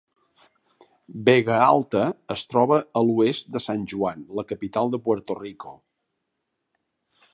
Vega Alta es troba a l'oest de San Juan, la capital de Puerto Rico.